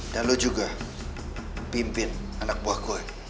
dan lo juga pimpin anak buah gue